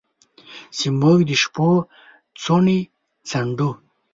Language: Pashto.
چې موږ د شپو څوڼې څنډو